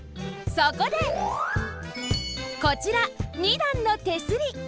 そこでこちら二段の手すり！